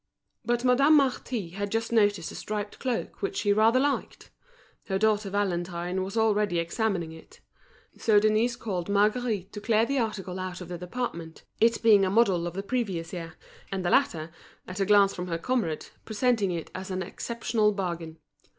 But Madame Marty had just noticed a striped cloak which she rather liked. Her daughter Valentine was already examining it. So Denise called Marguerite to clear the article out of the department, it being a model of the previous year, and the latter, at a glance from her comrade, presented it as an exceptional bargain.